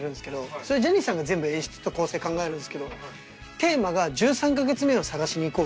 それジャニーさんが全部演出と構成考えるんですけどテーマが「１３か月目を探しに行こう」。